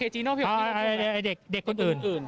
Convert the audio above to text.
จีโน่พี่หยุดไหมเด็กคนอื่น